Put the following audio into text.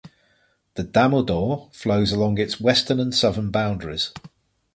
The Damodar flows along its western and southern boundaries.